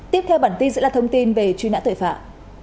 tiếp theo bản tin sẽ là thông tin về truy nã tội phạm